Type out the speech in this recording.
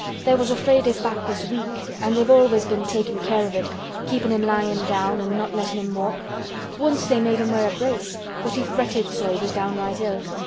They was afraid his back was weak an' they've always been takin' care of it—keepin' him lyin' down and not lettin' him walk. Once they made him wear a brace but he fretted so he was downright ill.